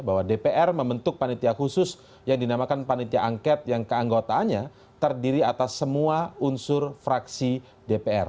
bahwa dpr membentuk panitia khusus yang dinamakan panitia angket yang keanggotaannya terdiri atas semua unsur fraksi dpr